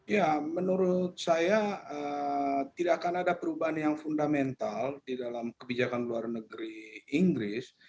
ya menurut saya tidak akan ada perubahan yang fundamental di dalam kebijakan luar negeri inggris